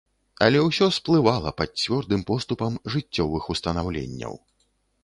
Але ўсё сплывала пад цвёрдым поступам жыццёвых устанаўленняў.